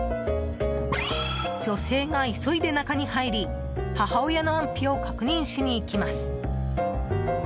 女性が急いで中に入り母親の安否を確認しに行きます。